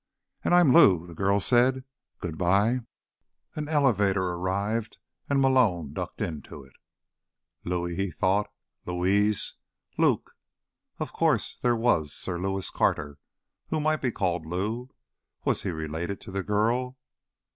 "And I'm Lou," the girl said. "Goodbye." An elevator arrived and Malone ducked into it. Louie? he thought. Louise? Luke? Of course, there was Sir Lewis Carter, who might be called Lou. Was he related to the girl?